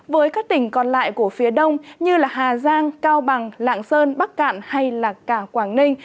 với các tỉnh còn lại của phía đông như hà giang cao bằng lạng sơn bắc cạn hay cả quảng ninh